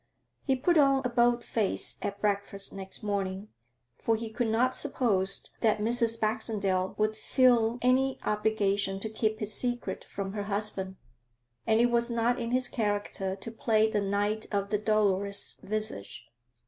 He put on a bold face at breakfast next morning, for he could not suppose that Mrs. Baxendale would feel any obligation to keep his secret from her husband, and it was not in his character to play the knight of the dolorous visage.